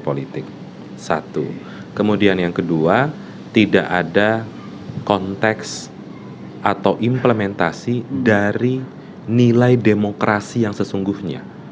politik satu kemudian yang kedua tidak ada konteks atau implementasi dari nilai demokrasi yang sesungguhnya